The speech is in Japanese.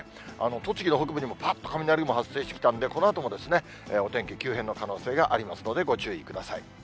栃木の北部にも、ぱっと雷雲発生してきたんで、このあとも、お天気、急変の可能性がありますので、ご注意ください。